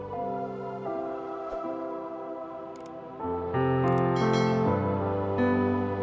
bangsa baik belgium